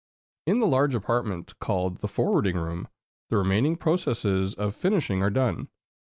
In the large apartment called the forwarding room, the remaining processes of finishing are done.